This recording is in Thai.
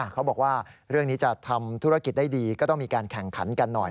เขาบอกว่าเรื่องนี้จะทำธุรกิจได้ดีก็ต้องมีการแข่งขันกันหน่อย